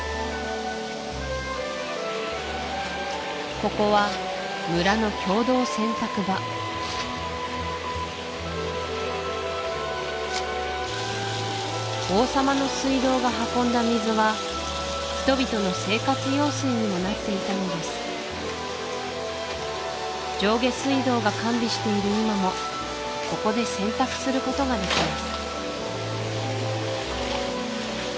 ここは村の共同洗濯場王様の水道が運んだ水は人々の生活用水にもなっていたのです上下水道が完備している今もここで洗濯することができます